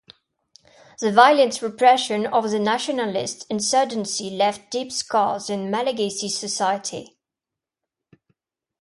The violent repression of the nationalist insurgency left deep scars in Malagasy society.